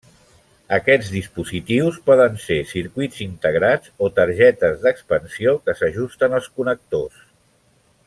Aquests dispositius poden ser circuits integrats o targetes d'expansió que s'ajusten als connectors.